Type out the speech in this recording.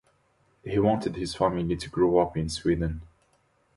He wanted his family to grow up in Sweden.